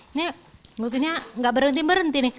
ini mestinya nggak berhenti berhenti nih